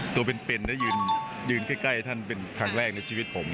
ตัวเป็นยืนใกล้ท่านเป็นครั้งแรกในชีวิตผม